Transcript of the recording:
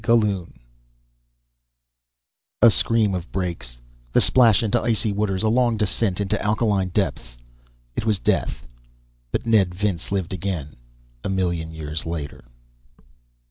GALLUN _A scream of brakes, the splash into icy waters, a long descent into alkaline depths ... it was death. But Ned Vince lived again a million years later!